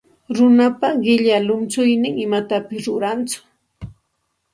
Runapa qilla llunchuynin imatapis rurantsu.